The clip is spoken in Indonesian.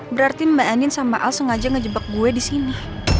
berarti mbak anin sama al sengaja ngejebak gue disini